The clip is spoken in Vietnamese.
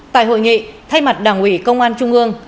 tại hội nghị thay mặt đảng ủy công an trung ương